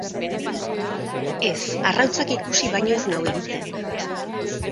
Ez, arrautzak ikusi baino ez nau egiten.